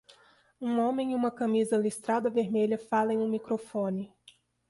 Um homem em uma camisa listrada vermelha fala em um microfone.